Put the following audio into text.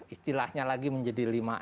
istilahnya lagi menjadi lima